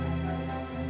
ya pak adrian